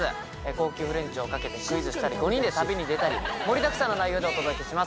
高級フレンチを懸けてクイズしたり５人で旅に出たり盛りだくさんの内容でお届けします。